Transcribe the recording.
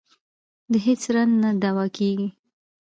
د هېڅ رنځ نه دوا کېږي.